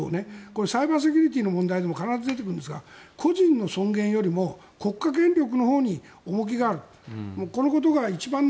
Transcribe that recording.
サイバーセキュリティーの時にも必ず出てくるんですが個人の尊厳よりも国家権力のほうに重きがある。